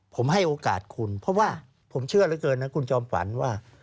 ผมให้โอกาสคุณเพราะว่าผมเชื่อเหลือเกินนะคุณจอมฝันว่า